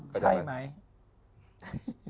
ใช่ไหม